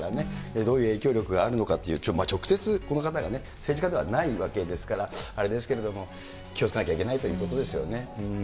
どういう影響力があるのかっていう、直接この方はね、政治家ではないわけですからあれですけれども、気をつけなければいけないということですよね。